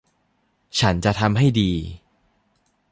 ฉันจะทำให้ดี